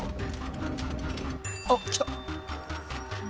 あっ来た。